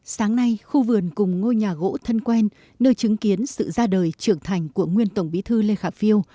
sáng nay khu vườn cùng ngôi nhà gỗ thân quen nơi chứng kiến sự ra đời trưởng thành của nguyên tổng bí thư lê khả phiêu